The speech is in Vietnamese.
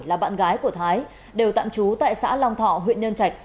là bạn gái của thái đều tạm trú tại xã long thọ huyện nhân trạch